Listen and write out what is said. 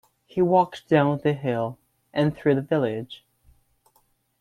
He walked down the hill, and through the village.